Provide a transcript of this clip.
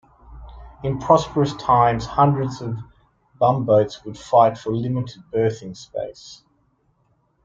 In prosperous times, hundreds of bumboats would fight for limited berthing space.